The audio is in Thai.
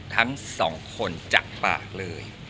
ทั้งสองคนจากปากเลย